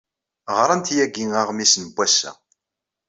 Ɣrant yagi aɣmis n wass-a.